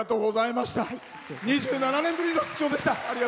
２７年ぶりの出場でした。